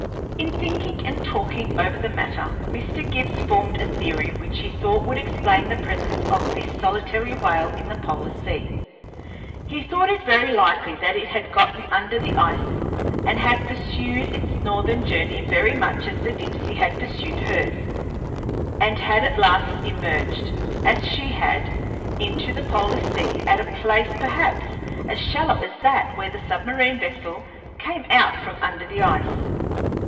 In thinking and talking over the matter Mr. Gibbs formed a theory which he thought would explain the presence of this solitary whale in the polar sea. He thought it very likely that it had gotten under the ice and had pursued its northern journey very much as the Dipsey had pursued hers, and had at last emerged, as she had, into the polar sea at a place perhaps as shallow as that where the submarine vessel came out from under the ice.